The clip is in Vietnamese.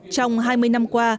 trong hai mươi năm qua